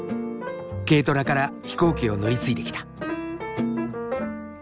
軽トラから飛行機を乗り継いできた。